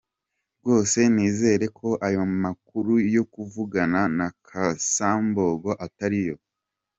Rwose nizere ko ayo makuru yo kuvugana na Casambugo atariyo.